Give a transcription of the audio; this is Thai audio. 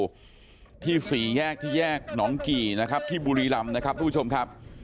อยู่ที่สี่แยกที่แยกหนองกี่นะครับที่บุรีรำนะครับทุกผู้ชมครับ